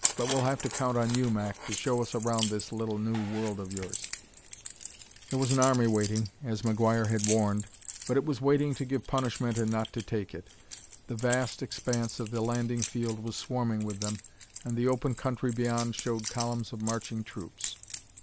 But we'll have to count on you, Mac, to show us around this little new world of yours." There was an army waiting, as McGuire had warned, but it was waiting to give punishment and not to take it. The vast expanse of the landing field was swarming with them, and the open country beyond showed columns of marching troops.